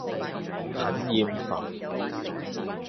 很厭煩